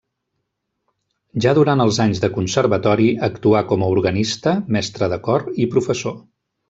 Ja durant els anys de Conservatori actuà com a organista, mestre de cor i professor.